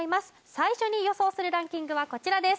最初に予想するランキングはこちらです